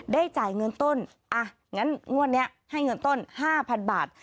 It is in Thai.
ได้จ่ายเงินต้นอ่ะงั้นงวดเนี้ยให้เงินต้นห้าพันบาท